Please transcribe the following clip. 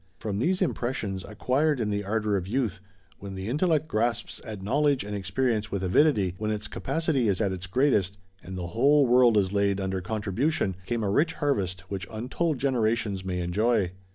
From these impressions, acquired in the ardor of youth, when the intellect grasps at knowledge and experience with avidity, when its capacity is at its greatest, and the whole world is laid under contribution, came a rich harvest which untold generations may enjoy.